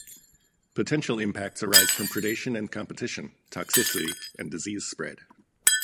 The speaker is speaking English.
Potential impacts arise from predation and competition, toxicity, and disease spread.